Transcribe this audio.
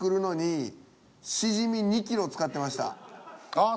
ああ